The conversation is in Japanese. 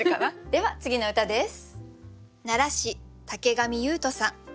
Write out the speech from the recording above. では次の歌です。